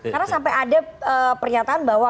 karena sampai ada pernyataan bahwa